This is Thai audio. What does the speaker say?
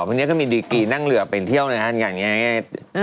วันนี้ก็มีดีกรีนั่งเหลือไปเที่ยวนะครับ